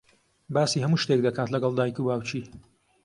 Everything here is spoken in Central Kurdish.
باسی هەموو شتێک دەکات لەگەڵ دایک و باوکی.